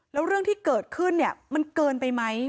แล้วเรื่องที่เกิดขึ้นเนี่ยมันเกินไปไหม